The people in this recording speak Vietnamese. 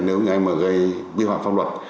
nếu như anh mà gây vi hoạc phong luật